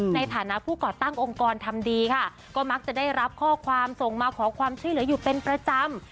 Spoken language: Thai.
ในฐานะผู้ก่อตั้งองค์กรทำดีค่ะก็มักจะได้รับข้อความส่งมาขอความช่วยเหลืออยู่เป็นประจำ